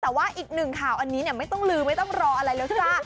แต่ว่าอีกหนึ่งข่าวอันนี้เนี่ยไม่ต้องลืมไม่ต้องรออะไรแล้วจ้า